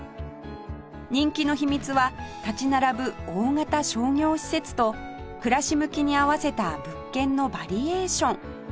人気の秘密は立ち並ぶ大型商業施設と暮らし向きに合わせた物件のバリエーション